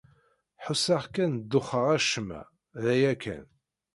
Ḥusseɣ kan duxeɣ acemma. D aya kan.